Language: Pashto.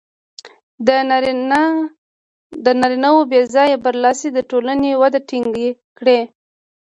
د نارینهوو بې ځایه برلاسي د ټولنې وده ټکنۍ کړې.